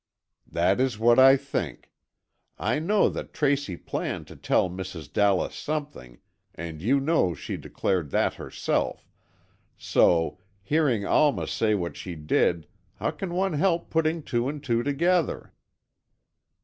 "That is what I think. I know that Tracy planned to tell Mrs. Dallas something—and you know she declared that herself—so, hearing Alma say what she did, how can one help putting two and two together?"